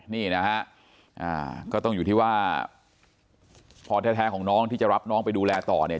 นี่นะฮะก็ต้องอยู่ที่ว่าพ่อแท้ของน้องที่จะรับน้องไปดูแลต่อเนี่ย